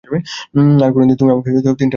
আর কোনো দিন তুমি আমাকে তিনটার আগে ডেকে তুলবে না।